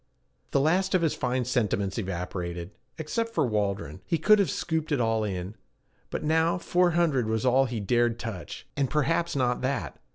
The last of his fine sentiments evaporated. Except for Waldron he could have scooped it all in; but now four hundred was all he dared touch, and perhaps not that.